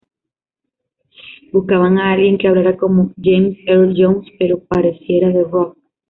Buscaban a alguien que "hablara como "James Earl Jones", pero pareciera "The Rock"".